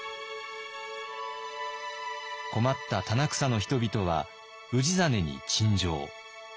困った棚草の人々は氏真に陳情。